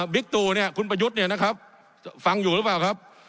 บิ๊กตูคุณประยุทธ์ฟังอยู่หรือเปล่าครับ